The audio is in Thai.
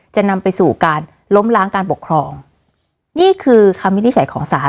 จะนำไปสู่การล้มล้างการปกครองนี่คือคำวินิจฉัยของศาล